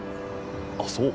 あっそう。